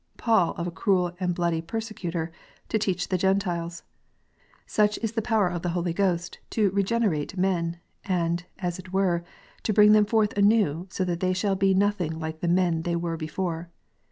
Paul of a cruel and bloody persecutor, to teach the Gentiles 1 Such is the power of the Holy Ghost to regenerate men, and, as it were, to bring them forth anew, so that they shall be nothing like the men that they were before.